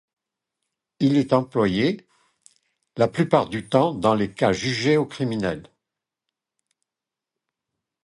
Il est employé la plupart du temps dans les cas jugés au criminel.